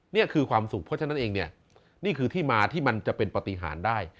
นี่คือความสุขเพราะฉะนั้นเองเนี่ยนี่คือที่มาที่มันจะเป็นปฏิหารได้